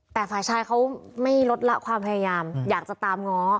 แต่ฝ่ายชายเขาไม่ลดละความพยายามอยากจะตามง้อ